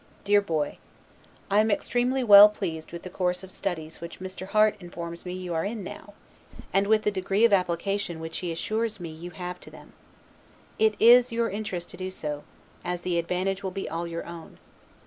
DEAR Boy: I am extremely well pleased with the course of studies which Mr. Harte informs me you are now in, and with the degree of application which he assures me you have to them. It is your interest to do so, as the advantage will be all your own.